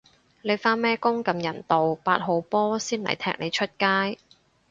你返咩工咁人道，八號波先嚟踢你出街